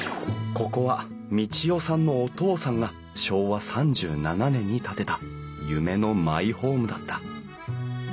ここは道代さんのお父さんが昭和３７年に建てた夢のマイホームだった。